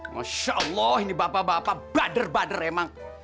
masya allah ini bapak bapak bader bader emang